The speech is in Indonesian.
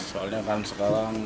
soalnya kan sekarang